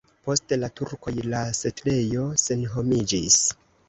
Post la turkoj la setlejo senhomiĝis.